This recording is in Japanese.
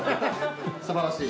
すばらしい。